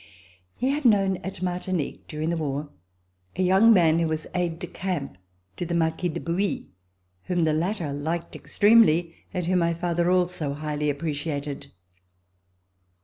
He had known at Martinique, during the war, a young man who was aide de camp to the Marquis de Bouille, whom the latter liked extremely, and whom my father also highly appreci ated.